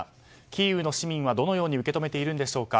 キーウの市民は、どのように受け止めているんでしょうか。